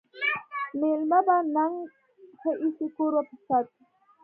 مېلمه په ننګ ښه ایسي، کوربه په صت